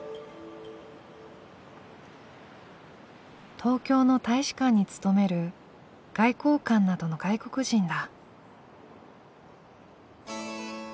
東京の大使館に勤める外交官などの外国人だ。